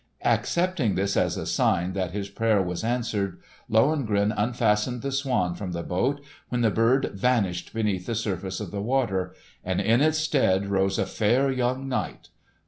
Accepting this as a sign that his prayer was answered, Lohengrin unfastened the swan from the boat, when the bird vanished beneath the surface of the water, and in its stead rose a fair young knight.